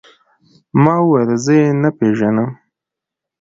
ما وويل زه يې نه پېژنم.